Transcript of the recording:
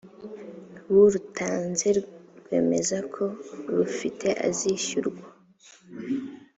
w urutanze rwemeza ko urufite azishyurwa